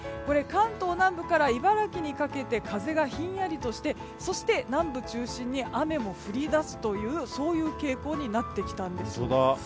関東南部から茨城にかけて風がひんやりとしてそして、南部中心に雨も降り出すという傾向になってきたんです。